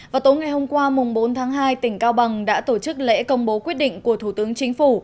vào tối ngày hôm qua bốn tháng hai tỉnh cao bằng đã tổ chức lễ công bố quyết định của thủ tướng chính phủ